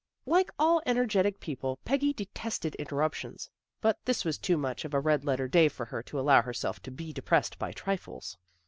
Like all energetic people Peggy detested inter ruptions. But this was too much of a red letter day for her to allow herself to be depressed by trifles.